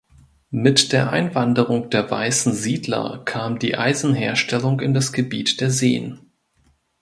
Mit der Einwanderung der weißen Siedler kam die Eisenherstellung in das Gebiet der Seen.